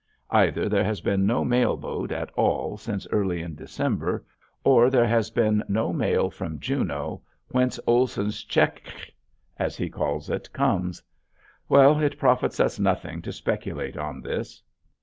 Either there has been no mail boat at all since early in December or there has been no mail from Juneau whence Olson's "check que," as he calls it, comes. Well it profits us nothing to speculate on this.